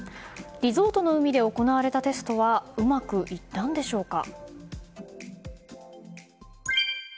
リゾートの海で行われたテストはうまくいったんでしょうか。